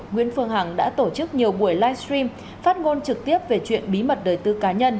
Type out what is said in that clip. nguyễn phương hằng đã tổ chức nhiều buổi livestream phát ngôn trực tiếp về chuyện bí mật đời tư cá nhân